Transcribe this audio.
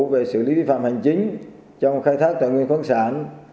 về xử lý vi phạm hành chính trong khai thác tài nguyên khoáng sản